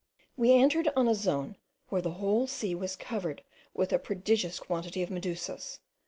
We entered on a zone where the whole sea was covered with a prodigious quantity of medusas.